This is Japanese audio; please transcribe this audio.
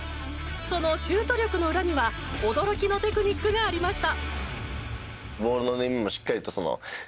そのシュート力の裏には驚きのテクニックがありました。